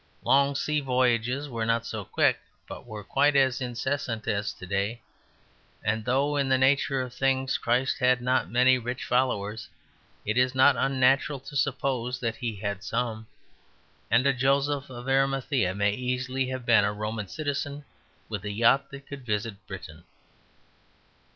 Long sea voyages were not so quick, but were quite as incessant as to day; and though in the nature of things Christ had not many rich followers, it is not unnatural to suppose that He had some. And a Joseph of Arimathea may easily have been a Roman citizen with a yacht that could visit Britain.